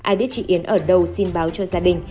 ai biết chị yến ở đâu xin báo cho gia đình